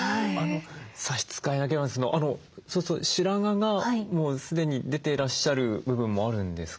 差し支えなければそうすると白髪がもう既に出ていらっしゃる部分もあるんですか？